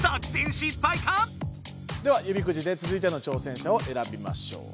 では指くじでつづいての挑戦者をえらびましょう。